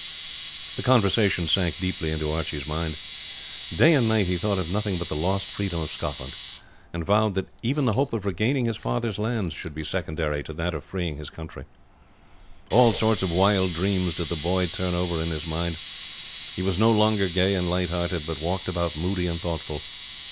This conversation sank deeply into Archie's mind; day and night he thought of nothing but the lost freedom of Scotland, and vowed that even the hope of regaining his father's lands should be secondary to that of freeing his country. All sorts of wild dreams did the boy turn over in his mind; he was no longer gay and light hearted, but walked about moody and thoughtful.